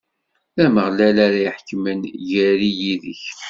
D Ameɣlal ara iḥekmen gar-i yid-k.